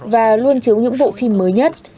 và luôn chiếu những bộ phim mới nhất